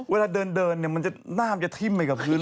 เวลาเดินหน้ามันจะทิ้มไปกับพื้น